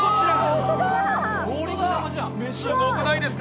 すごくないですか？